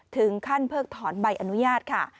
ถึงขั้นเพิ่งถอนใบอนุญาตค่ะ